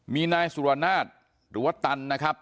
มีนายสุรนาศหรือว่าตันนะครับ